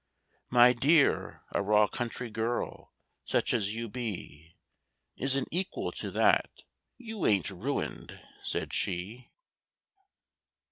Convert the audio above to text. — "My dear—a raw country girl, such as you be, Isn't equal to that. You ain't ruined," said she.